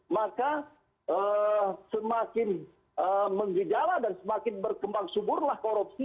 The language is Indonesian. maka semakin menggejala dan semakin berkembang suburlah korupsi